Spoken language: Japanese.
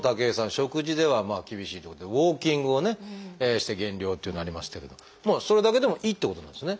食事では厳しいってことでウォーキングをして減量ってなりましたけどそれだけでもいいってことなんですね。